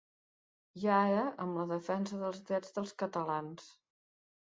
I ara, amb la defensa dels drets dels catalans.